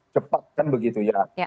cepat kan begitu ya